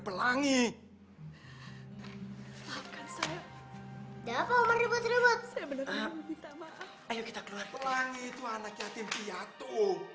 pelangi itu anak yatim piatu